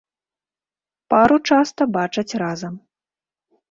Пару часта бачаць разам.